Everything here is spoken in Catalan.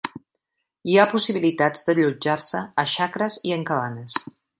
Hi ha possibilitats d'allotjar-se a xacres i en cabanes.